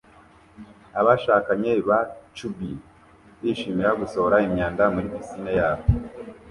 Abashakanye ba Chubby bishimira gusohora imyanda muri pisine yabo